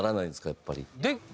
やっぱり。